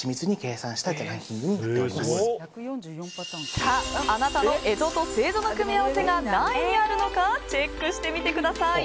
さあ、あなたの干支と星座の組み合わせが何位にあるのかチェックしてみてください！